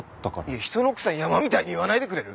いや人の奥さん山みたいに言わないでくれる？